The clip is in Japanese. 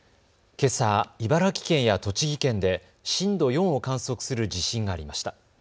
けさ、茨城県や栃木県で震度４を観測する地震がありました。